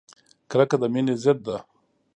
کرکه د مینې ضد ده!